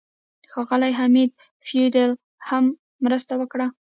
ښاغلي حمید فیدل هم مرسته وکړه.